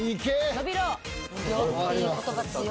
伸びろ。